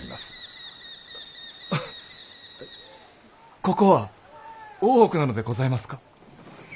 ここは大奥なのでございますか？